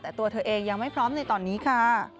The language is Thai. แต่ตัวเธอเองยังไม่พร้อมในตอนนี้ค่ะ